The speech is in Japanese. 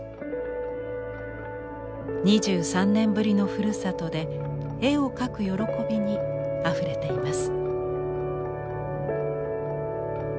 ２３年ぶりのふるさとで絵を描く喜びにあふれています。